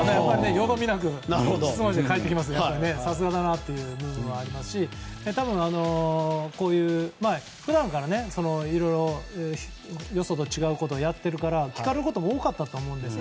よどみなく質問したら返ってきてさすがだなという部分はありますし多分、普段からいろいろよそと違うことをしているから聞かれることも多かったと思うんです。